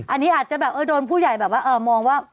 อันนี้อาจจะแบบโดนผู้ใหญ่แบบว่ามองว่า